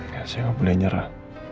saya gak boleh nyerah